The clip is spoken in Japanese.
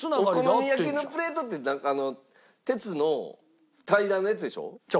お好み焼きのプレートって鉄の平らなやつでしょ？